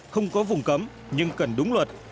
không có vùng cấm nhưng cần đúng luật